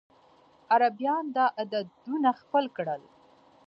عربيان دا عددونه خپل کړل.